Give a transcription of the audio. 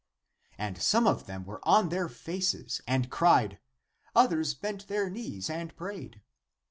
And some of them were on their faces and cried; others bent their knees and prayed.